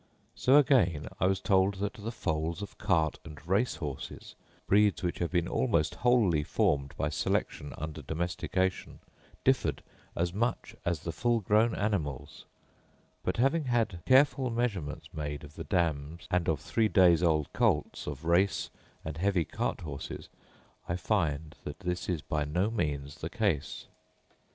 So, again, I was told that the foals of cart and race horses—breeds which have been almost wholly formed by selection under domestication—differed as much as the full grown animals; but having had careful measurements made of the dams and of three days old colts of race and heavy cart horses, I find that this is by no means the case.